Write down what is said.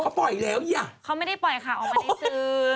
ไม่ใช่เขาไม่ได้ปล่อยข่าวออกมาในสื่อ